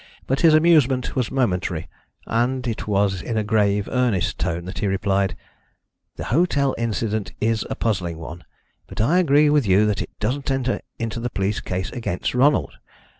But his amusement was momentary, and it was in a grave, earnest tone that he replied: "The hotel incident is a puzzling one, but I agree with you that it doesn't enter into the police case against Ronald.